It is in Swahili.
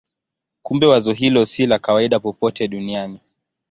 Kumbe wazo hilo si la kawaida popote duniani.